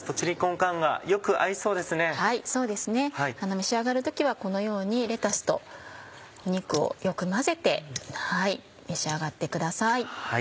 召し上がる時はこのようにレタスと肉をよく混ぜて召し上がってください。